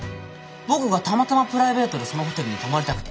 僕がたまたまプライベートでそのホテルに泊まりたくて。